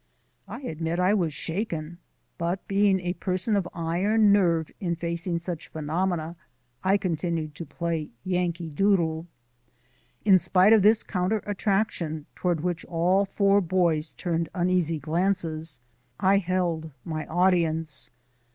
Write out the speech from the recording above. I admit I was shaken, but being a person of iron nerve in facing such phenomena, I continued to play "Yankee Doodle." In spite of this counter attraction, toward which all four boys turned uneasy glances, I held my audience.